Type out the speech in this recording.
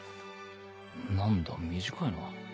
何だ短いな。